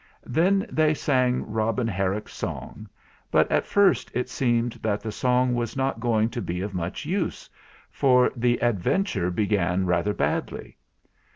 Then they sang Robin Herrick's song; but at first it seemed that the song was not going to be of much use, for the adventure began rather badly.